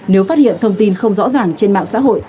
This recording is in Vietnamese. nếu phát hiện thông tin không rõ ràng trên mạng xã hội